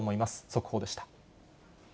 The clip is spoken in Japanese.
速報でした。